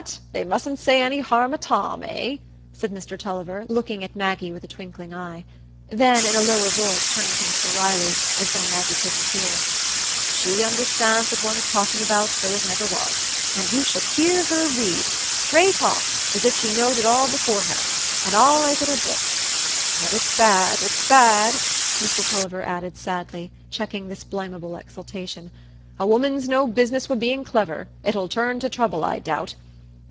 they mustn't say any harm o' Tom, eh?" said Mr Tulliver, looking at Maggie with a twinkling eye. Then, in a lower voice, turning to Mr Riley, as though Maggie couldn't hear, "She understands what one's talking about so as never was. And you should hear her read,—straight off, as if she knowed it all beforehand. And allays at her book! But it's bad—it's bad," Mr Tulliver added sadly, checking this blamable exultation. "A woman's no business wi' being so clever; it'll turn to trouble, I doubt.